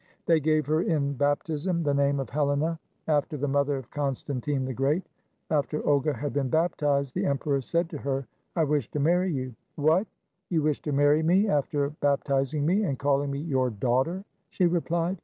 They gave her in baptism the name of Helena, after the mother of Constantine the Great. After Olga had been baptized, the emperor said to her, ''I wish to marry you." "What! you wish to 27 RUSSIA marry me after baptizing me and calling me your daugh ter?" she replied.